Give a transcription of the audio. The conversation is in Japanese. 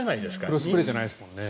クロスプレーじゃないですもんね。